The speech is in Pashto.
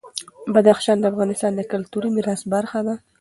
بدخشان د افغانستان د کلتوري میراث برخه ده.